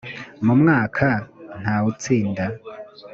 mu mwaka ntawutsinda.